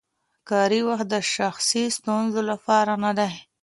کاري وخت د شخصي ستونزو لپاره نه دی.